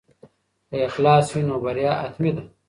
که اخلاص وي نو بریا حتمي ده.